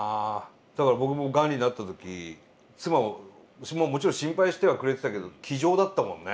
だから僕もがんになった時妻はもちろん心配してはくれてたけど気丈だったもんね。